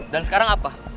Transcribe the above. dan sekarang apa